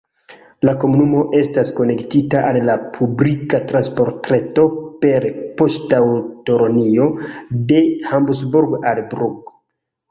La komunumo estas konektita al la publika transportreto per poŝtaŭtolinio de Habsburgo al Brugg.